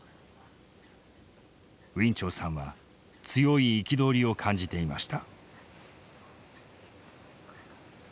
ウィン・チョウさんは強い憤りを感じていました。